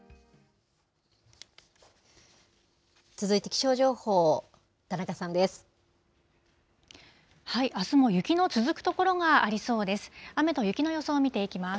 続いて気象情報、田中さんです。